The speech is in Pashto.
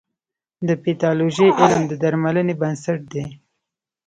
د پیتالوژي علم د درملنې بنسټ دی.